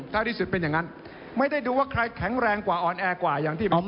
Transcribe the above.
ถ้าที่สุดเป็นอย่างนั้นไม่ได้ดูว่าใครแข็งแรงกว่าอ่อนแอกว่าอย่างที่ผม